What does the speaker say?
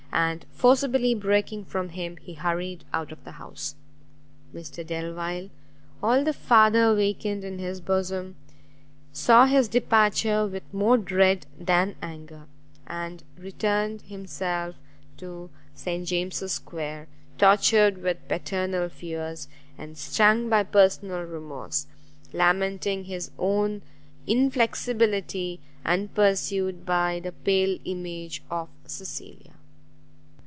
And, forcibly breaking from him, he hurried out of the house. Mr Delvile, all the father awakened in his bosom, saw his departure with more dread than anger; and returned himself to St James's square, tortured with parental fears, and stung by personal remorse, lamenting his own inflexibility, and pursued by the pale image of Cecilia.